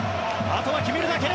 あとは決めるだけ。